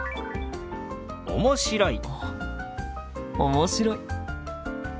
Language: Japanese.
面白い。